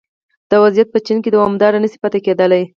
دا وضعیت په چین کې دوامداره نه شي پاتې کېدای